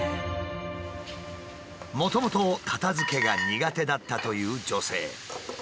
もともと片づけが苦手だったという女性。